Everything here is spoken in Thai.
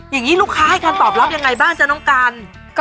อย่างนี้ลูกค้าให้การตอบรับยังไงบ้างจ๊ะน้องกัน